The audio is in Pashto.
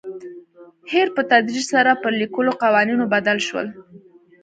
هیر په تدریج سره پر لیکلو قوانینو بدل شول.